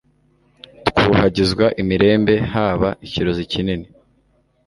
Twuhagizwa imirembe Haba ikirozi kinini